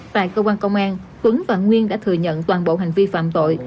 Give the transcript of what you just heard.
tại cơ quan công an tuấn và nguyên đã thừa nhận toàn bộ hành vi phạm tội